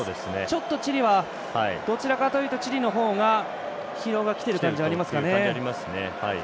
ちょっとチリはどちらかというとチリのほうが疲労がきているという感じがありますね。